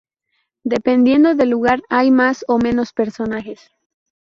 Dependiendo del lugar hay más o menos personajes.